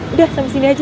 udah sampe sini aja